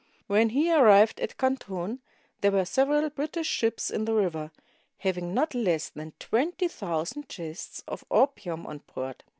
When he arrived at Canton, there were several British ships in the river, having not less than twenty thousand chests of opium on board.